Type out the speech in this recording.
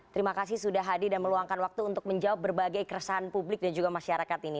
terima kasih sudah hadir dan meluangkan waktu untuk menjawab berbagai keresahan publik dan juga masyarakat ini